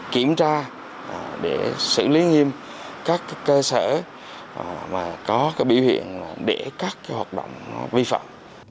kiểm tra để xử lý nghiêm các cơ sở mà có biểu hiện để các hoạt động vi phạm